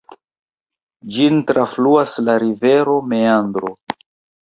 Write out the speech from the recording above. Ĝin trafluas la rivero Meandro.